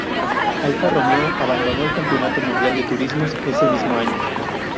Alfa Romeo abandonó el Campeonato Mundial de Turismos ese mismo año.